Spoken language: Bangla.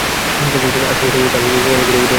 আজ সমস্ত দিন তাঁর অনেক ঘুরাঘুরি অনেক ভাবনা গিয়েছে।